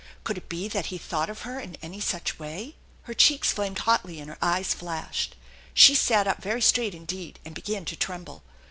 Could it be that he thought of her in any such way? Her cheeks flamed hotly and her eyes flashed. She sat up very straight indeed, and began to tremble.